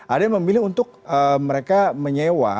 ada yang memilih untuk mereka menyewa